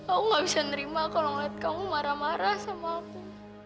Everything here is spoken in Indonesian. aku gak bisa nerima kalau ngeliat kamu marah marah sama aku